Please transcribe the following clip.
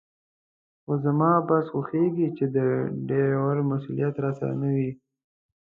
خو زما بس خوښېږي چې د ډریور مسوولیت راسره نه وي.